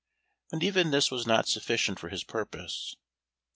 But even this was not sufficient for his purpose.